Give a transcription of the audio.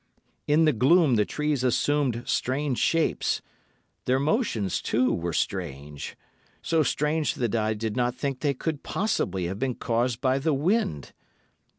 In the gloom the trees assumed strange shapes; their motions, too, were strange—so strange that I did not think they could possibly have been caused by the wind.